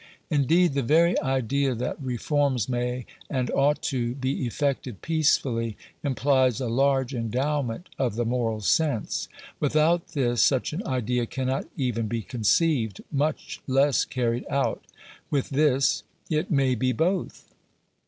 Indeed, the very idea that reforms may and ought to be effected peacefully implies a large endowment of the moral I sense. Without this, such an idea cannot even be conceived, ' much less carried out ; with this, it may be both.